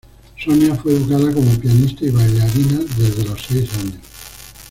Sonia fue educada como pianista y bailarina desde los seis años.